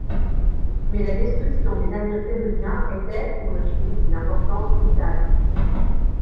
Mais la destruction des navires péruviens était, pour le Chili, d'une importance vitale.